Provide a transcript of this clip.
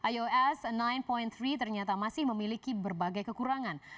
ios sembilan tiga ternyata masih memiliki berbagai kekurangan